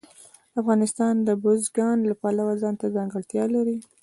افغانستان د بزګان د پلوه ځانته ځانګړتیا لري.